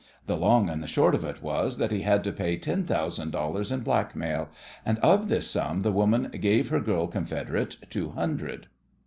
The long and the short of it was that he had to pay ten thousand dollars in blackmail, and of this sum the woman gave her girl confederate two hundred.